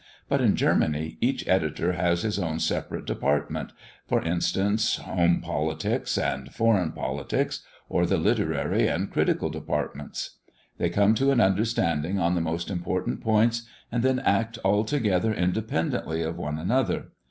But, in Germany, each editor has his own separate department, for instance, home politics and foreign politics, or the literary and critical departments. They come to an understanding on the most important points, and then act altogether independently of one another.